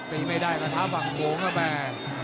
ตีไม่ได้แต่ถ้าฝั่งโขงก็แบบ